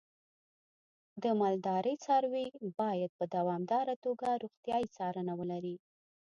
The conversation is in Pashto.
د مالدارۍ څاروی باید په دوامداره توګه روغتیايي څارنه ولري.